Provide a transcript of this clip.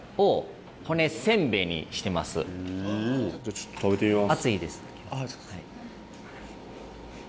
ちょっと食べてみます。